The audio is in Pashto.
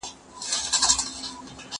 زه به اوږده موده کتابتون ته تللی وم؟!